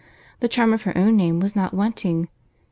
—The charm of her own name was not wanting.